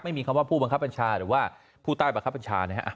ไม่มีคำว่าผู้บังคับบัญชาหรือว่าผู้ใต้บังคับบัญชานะฮะ